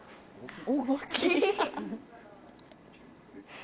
大きい。